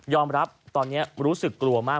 รับตอนนี้รู้สึกกลัวมาก